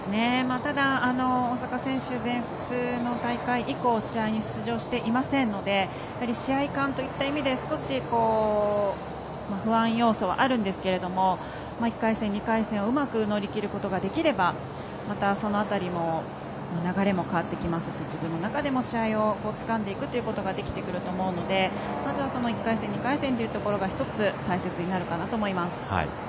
ただ、大坂選手全仏の大会以降試合に出場していませんので試合勘といった意味で少し、不安要素はあるんですけど１回戦、２回戦をうまく乗り切ることができればまた、その辺りも流れも変わってきますし自分の中でも試合をつかんでいくということができてくると思うのでまずはその１回戦２回戦といったところが１つ大切になるかなと思います。